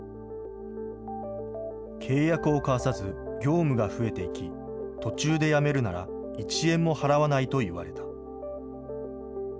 契約を交わさず業務が増えていき、途中で辞めるなら１円も払わないと言われた。